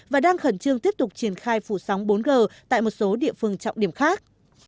và đang khẩn trương tiếp tục triển khai phủ sóng bốn g tại một số địa phương trọng điểm khác